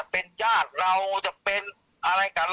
แม่ยังคงมั่นใจและก็มีความหวังในการทำงานของเจ้าหน้าที่ตำรวจค่ะ